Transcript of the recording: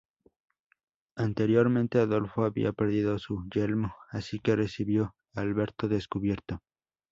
Anteriormente Adolfo había perdido su yelmo, así que recibió a Alberto descubierto.